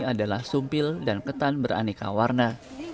adalah sumpil dan ketan beraneka warna